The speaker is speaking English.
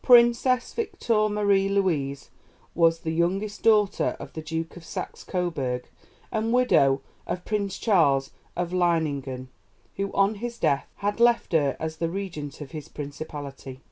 Princess Victoire Marie Louise was the youngest daughter of the Duke of Saxe Coburg and widow of Prince Charles of Leiningen, who on his death had left her as the regent of his principality.